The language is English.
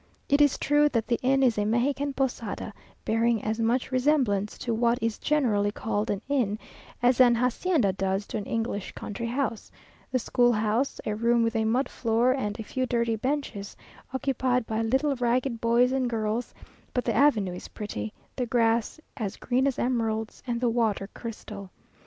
It is true that the inn is a Mexican posada, bearing as much resemblance to what is generally called an inn, as an hacienda does to an English country house; the school house, a room with a mud floor and a few dirty benches, occupied by little ragged boys and girls; but the avenue is pretty, the grass as green as emeralds, and the water crystal.